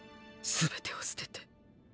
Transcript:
すべてを捨てて。